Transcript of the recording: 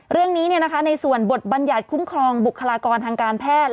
เรื่องนี้ในส่วนบทบรรยาทคุ้มครองบุคลากรทางการแพทย์